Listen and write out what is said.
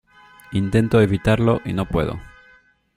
intento evitarlo y no puedo.